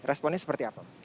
responnya seperti apa